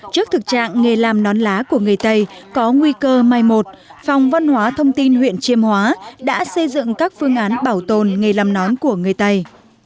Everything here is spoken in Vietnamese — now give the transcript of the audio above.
trước thực trạng nghề làm nón lá của người tây có nguy cơ mai một phòng văn hóa thông tin huyện chiêm hóa đã xây dựng các phương án bảo tồn nghề làm nón của người tây